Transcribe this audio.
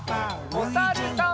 おさるさん。